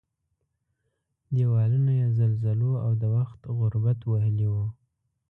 دېوالونه یې زلزلو او د وخت غربت وهلي وو.